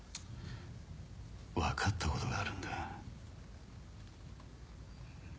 分かったことがあるんだ。